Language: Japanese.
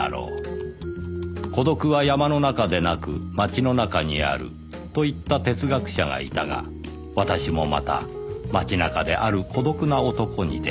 「孤独は山の中でなく街の中にある」と言った哲学者がいたが私もまた街中である孤独な男に出会った